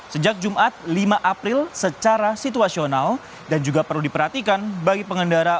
sejak jumat lima april secara situasional dan juga perlu diperhatikan bagi pengendara